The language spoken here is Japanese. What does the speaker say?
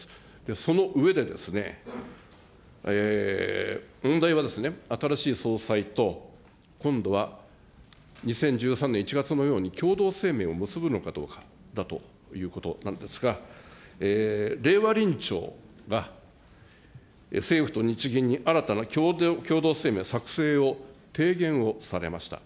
その上でですね、問題は新しい総裁と、今度は２０１３年１月のように共同声明を結ぶのかどうかだということなんですが、令和臨調が政府と日銀に新たな共同声明を作成を提言をされました。